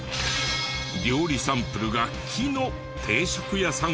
料理サンプルが木の定食屋さんか？